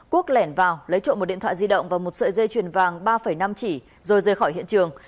quốc lẻn vào lấy trộm một điện thoại di động và một sợi dây chuyền vàng ba năm chỉ rồi rời khỏi hiện trường